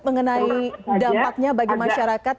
mengenai dampaknya bagi masyarakat